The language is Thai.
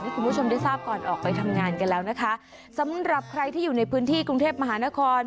คุณผู้ชมได้ทราบก่อนออกไปทำงานกันแล้วนะคะสำหรับใครที่อยู่ในพื้นที่กรุงเทพมหานคร